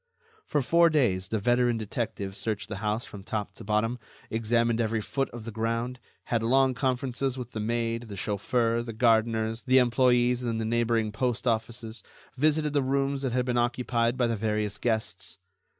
For four days, the veteran detective searched the house from top to bottom, examined every foot of the ground, had long conferences with the maid, the chauffeur, the gardeners, the employees in the neighboring post offices, visited the rooms that had been occupied by the various guests.